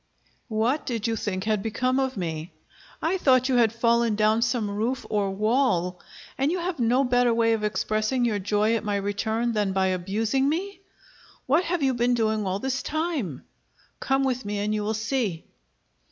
"What did you think had become of me?" "I thought you had fallen down some roof or wall." "And you have no better way of expressing your joy at my return than by abusing me?" "What have you been doing all this time?" "Come with me and you will see."